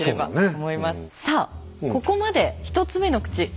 さあここまで１つ目の口